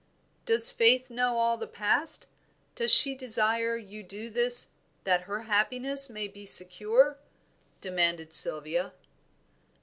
"Does Faith know all the past? does she desire you to do this that her happiness may be secure?" demanded Sylvia.